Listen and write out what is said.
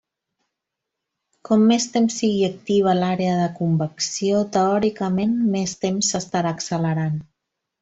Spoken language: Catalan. Com més temps sigui activa l'àrea de convecció, teòricament més temps s'estarà accelerant.